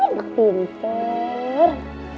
lihat tuh pinter